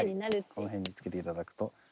この辺につけて頂くと。